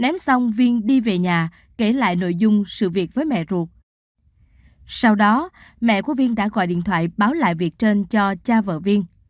mẹ của viên đã gọi điện thoại báo lại việc trên cho cha vợ viên